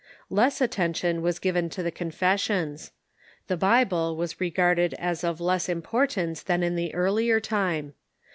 Less attention was given to the confessions. The Bible was re garded as of less importance than in the earlier time.